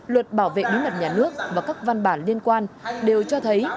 luật bảo vệ bí mật nhà nước và các văn bản liên quan đều cho thấy